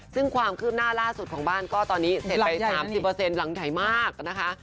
ซึ่งความคืบหน้าล่าสุดของบ้านก็ตอนนี้เสร็จไป๓๐หลังใหญ่มากนะคะ